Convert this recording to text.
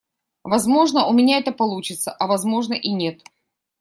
Возможно, у меня это получится, а возможно, и нет.